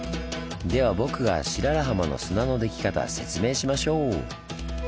では僕が白良浜の砂のでき方説明しましょう！